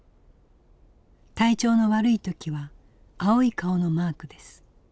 体調の悪い時は青い顔のマークです。